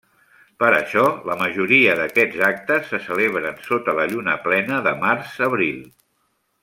Per això, la majoria d'aquests actes se celebren sota la lluna plena de març-abril.